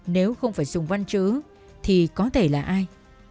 nếu không phải dùng văn chứ thì có thể là ai